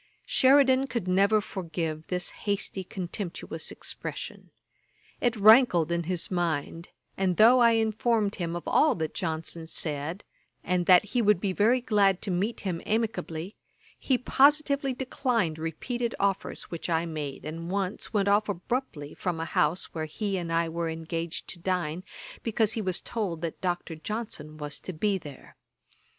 Sheridan could never forgive this hasty contemptuous expression. It rankled in his mind; and though I informed him of all that Johnson said, and that he would be very glad to meet him amicably, he positively declined repeated offers which I made, and once went off abruptly from a house where he and I were engaged to dine, because he was told that Dr. Johnson was to be there.